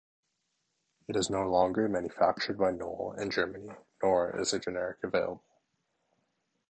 It is no longer manufactured by Knoll in Germany, nor is a generic available.